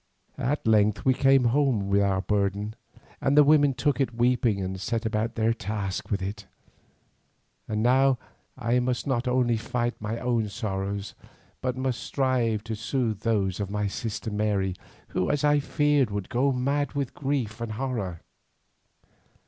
At length we came home with our burden, and the women took it weeping and set about their task with it. And now I must not only fight my own sorrows but must strive to soothe those of my sister Mary, who as I feared would go mad with grief and horror.